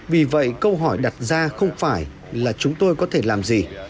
vì vậy câu hỏi đặt ra không phải là chúng tôi có thể làm gì